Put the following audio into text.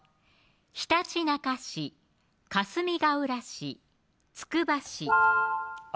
ひたちなか市・かすみがうら市・つくば市青